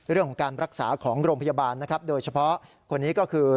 เรื่องของการรักษาของโรงพยาบาลนะครับโดยเฉพาะคนนี้ก็คือ